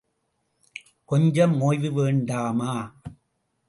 கொஞ்சம் ஓய்வு வேண்டாமா?